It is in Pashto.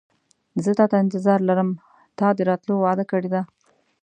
زه تاته انتظار لرم تا د راتلو وعده کړې ده.